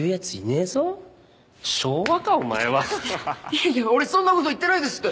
いやいや俺そんなこと言ってないですって。